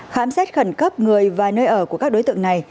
khám xét khẩn cấp người và nơi ở của các đối tượng này